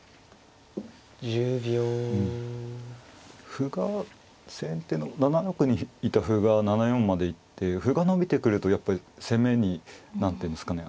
歩が先手の７六にいた歩が７四まで行って歩が伸びてくるとやっぱり攻めに何ていうんですかね